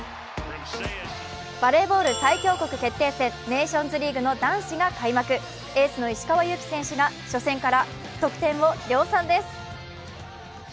バレーボール最強国決定戦ネーションズリーグ、男子が開幕、エースの石川祐希選手が初戦から得点を量産です。